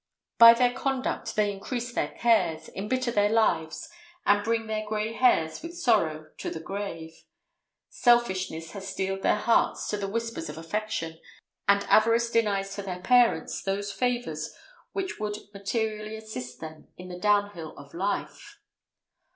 By their conduct they increase their cares, embitter their lives, and bring their gray hairs with sorrow to the grave. Selfishness has steeled their hearts to the whispers of affection, and avarice denies to their parents those favors which would materially assist them in the down hill of life.